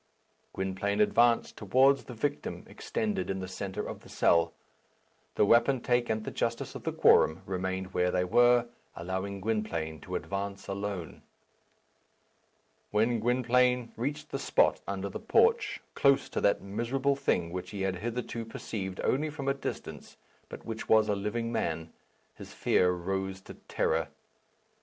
Gwynplaine advanced towards the victim extended in the centre of the cell. The wapentake and the justice of the quorum remained where they were, allowing Gwynplaine to advance alone. When Gwynplaine reached the spot under the porch, close to that miserable thing which he had hitherto perceived only from a distance, but which was a living man, his fear rose to terror.